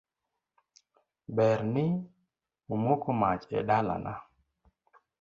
Berni omoko mach e ndalana.